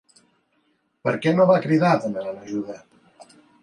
Per què no va cridar demanant ajuda?